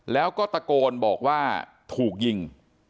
แล้วก็ตะโกนบอกว่าถูกยิง